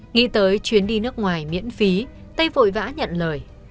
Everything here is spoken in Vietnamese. nghĩ tới chuyến đi nước ngoài miễn phí tây vội vã nhận lời